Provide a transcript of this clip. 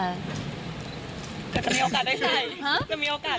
ก็มีโอกาสได้ใส่ครับ